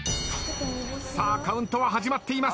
さあカウントは始まっています。